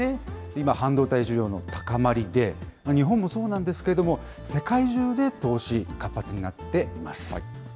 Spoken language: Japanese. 今、半導体需要の高まりで、日本もそうなんですけれども、世界中で投資、活発になっています。